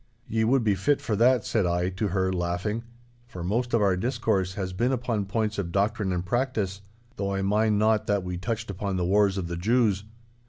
'Ye would be fit for that,' said I to her, laughing, 'for most of our discourse has been upon points of doctrine and practice—though I mind not that we touched upon the wars of the Jews.